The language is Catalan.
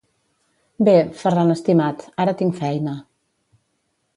Bé, Ferran estimat, ara tinc feina.